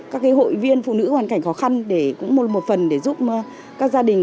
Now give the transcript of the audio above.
các hội viên phụ nữ hoàn cảnh khó khăn để cũng là một phần để giúp các gia đình